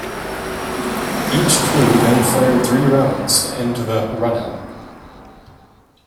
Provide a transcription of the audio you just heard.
Each crew then fired three rounds to end the "Run Out".